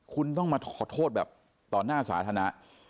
คุณต้องมาขอโทษแบบต่อหน้าสาธารณะ